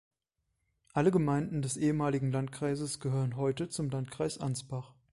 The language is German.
Alle Gemeinden des ehemaligen Landkreises gehören heute zum Landkreis Ansbach.